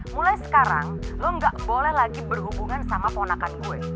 mulai sekarang lo gak boleh lagi berhubungan sama ponakan gue